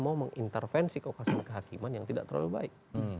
mau mengintervensi kekuasaan kehakiman yang tidak terlalu baik